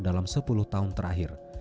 dalam sepuluh tahun terakhir